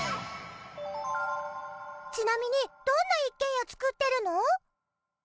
ちなみにどんな一軒家作ってるの？